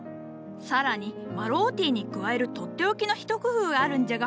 さらにマロウティーに加える取って置きの一工夫があるんじゃが。